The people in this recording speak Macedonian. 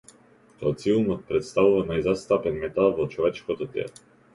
Калциумот претставува најзастапен метал во човечкото тело.